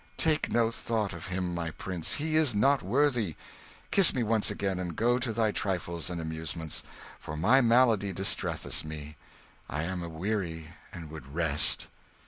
"Take no thought of him, my prince: he is not worthy. Kiss me once again, and go to thy trifles and amusements; for my malady distresseth me. I am aweary, and would rest.